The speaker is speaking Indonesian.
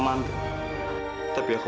mama kena penjajahan